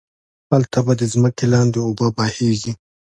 هلته به ده ځمکی لاندی اوبه بهيږي